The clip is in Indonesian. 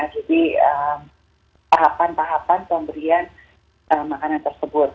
jadi tahapan tahapan pemberian makanan tersebut